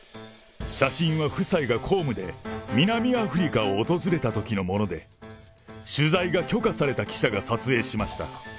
写真は夫妻が公務で南アフリカを訪れたときのもので、取材が許可された記者が撮影しました。